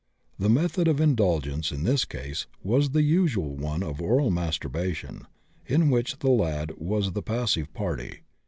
The method of indulgence in this case was the usual one of oral masturbation, in which the lad was the passive party.